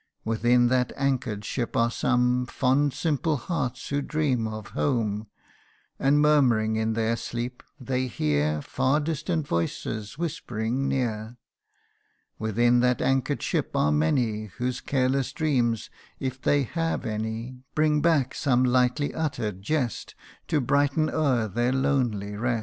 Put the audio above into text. Within that anchor'd ship are some Fond simple hearts who dream of home ; And murmuring in their sleep, they hear Far distant voices whispering near. Within that anchor'd ship are many Whose careless dreams (if they have any) Bring back some lightly utter'd jest, To brighten o'er their lonely rest.